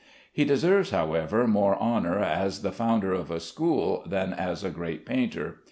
He deserves, however, more honor as the founder of a school than as a great painter.